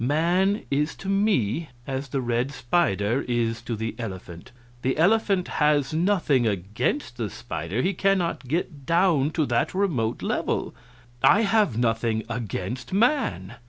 Man is to me as the red spider is to the elephant. The elephant has nothing against the spider he cannot get down to that remote level; I have nothing against man.